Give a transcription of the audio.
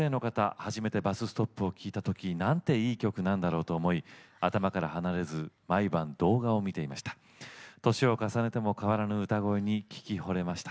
初めて「バス・ストップ」を聴いたときなんていい曲なんだろうと思い頭から離れず毎晩、動画を見ていました。